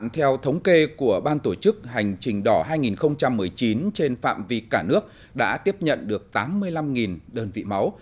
theo thống kê của ban tổ chức hành trình đỏ hai nghìn một mươi chín trên phạm vi cả nước đã tiếp nhận được tám mươi năm đơn vị máu